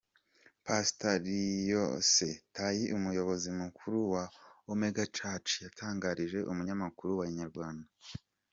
Pastor Liliose Tayi umuyobozi mukuru wa Omega Church yatangarije umunyamakuru wa Inyarwanda.